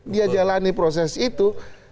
dia jalani proses itu